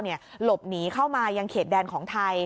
หลบหนีเข้ามายังเขตแดนของไทย